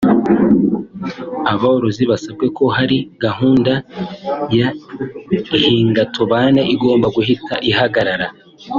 Aborozi basabwe ko ahari gahunda ya hingatugabane igomba guhita ihagarara